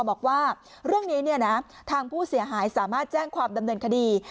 บอกว่าเรื่องนี้ทางผู้เสียหายสามารถแจ้งความดำเนินคดี